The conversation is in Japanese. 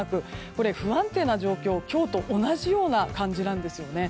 これ、不安定な状況が今日と同じような感じなんですよね。